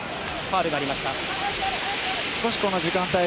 ファウルがありました。